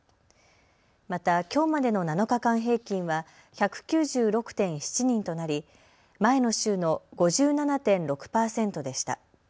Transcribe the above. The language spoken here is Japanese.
またきょうまでの７日間平均は１９６．７人となり前の週の５７．６％でした。